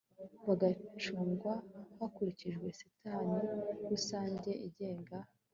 bagacungwa hakurikijwe Sitati Rusange igenga